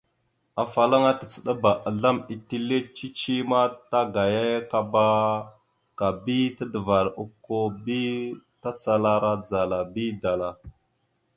Afalaŋana tacəɗabá azlam etellé cici ma tagayayakaba ka bi tadaval okko bi tacalara dzala bi dala.